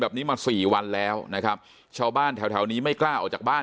แบบนี้มาสี่วันแล้วนะครับชาวบ้านแถวแถวนี้ไม่กล้าออกจากบ้าน